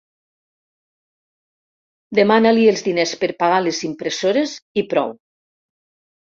Demana-li els diners per pagar les impressores i prou.